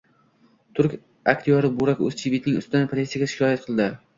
Turk aktyori Burak O‘zchivitning ustidan politsiyaga shikoyat qilishdi